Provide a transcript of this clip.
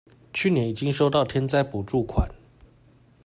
去年已經收到天災補助款